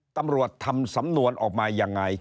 ตำรวจทำสำนวนออกมายังไง